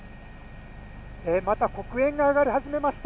また黒煙が上がり始めました。